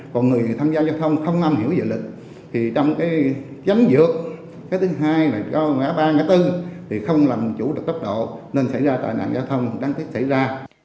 còn người tham gia giao thông không nằm hiểu về lực thì trong cái chánh dược cái thứ hai cái thứ ba cái thứ bốn thì không làm chủ được tốc độ nên xảy ra tai nạn giao thông đáng thích xảy ra